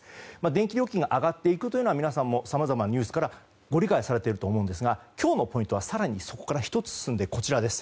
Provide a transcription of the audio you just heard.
電気料金が上がっていくのは皆さんもさまざまなニュースからご理解されていると思いますが今日のポイントは更にそこから１つ進んでこちらです。